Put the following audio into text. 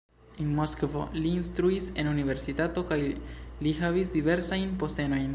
En Moskvo li instruis en universitato kaj li havis diversajn postenojn.